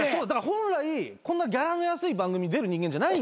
本来こんなギャラの安い番組出る人間じゃない。